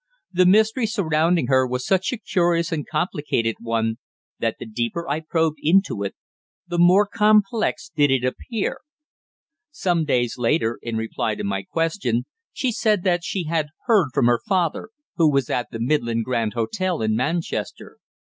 The mystery surrounding her was such a curious and complicated one that the deeper I probed into it, the more complex did it appear. Some few days later, in reply to my question, she said that she had heard from her father, who was at the Midland Grand Hotel in Manchester.